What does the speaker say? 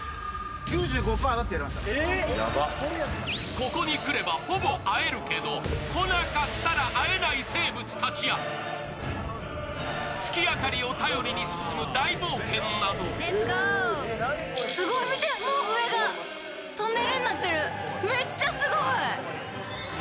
ここに来ればほぼ会えるけど来なかったら会えない生物たちや月明かりを頼りに進む大冒険など上がトンネルになってる、めっちゃすごい。